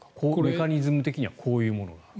メカニズム的にはこういうものがある。